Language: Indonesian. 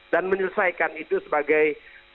dan menyelesaikan itu sebagai